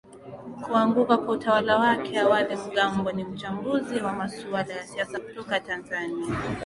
kuanguka kwa utawala wake awadhi mgambo ni mchambuzi wa masuala ya siasa kutoka tanzania